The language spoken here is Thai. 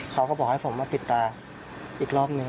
เขาก็บอกให้ผมมาปิดตาอีกรอบนึง